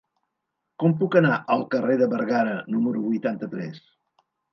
Com puc anar al carrer de Bergara número vuitanta-tres?